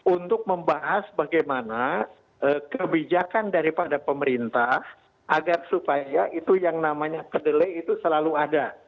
untuk membahas bagaimana kebijakan daripada pemerintah agar supaya itu yang namanya kedelai itu selalu ada